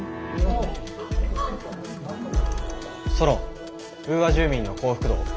ソロンウーア住民の幸福度を。